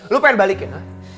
lu pengen balikin